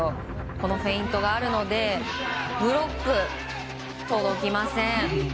このフェイントがあるのでブロック、届きません。